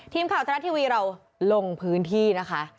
ทีมข่าวทะละทีวีเราลงพื้นที่นะคะ